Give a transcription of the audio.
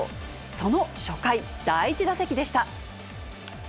その初回、第１打席でした。